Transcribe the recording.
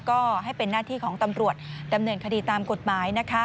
ก็ให้เป็นหน้าที่ของตำรวจดำเนินคดีตามกฎหมายนะคะ